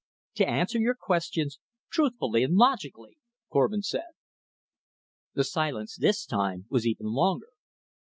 "To answer your questions, truthfully and logically," Korvin said. The silence this time was even longer.